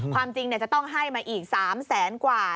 ความจริงจะต้องให้มาอีก๓แสนกว่า